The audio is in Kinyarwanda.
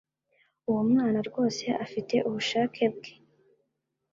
Uwo mwana rwose afite ubushake bwe.